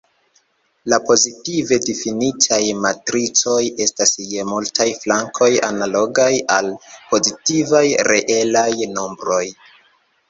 La pozitive difinitaj matricoj estas je multaj flankoj analogaj al pozitivaj reelaj nombroj.